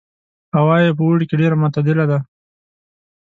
هوا یې په اوړي کې ډېره معتدله ده.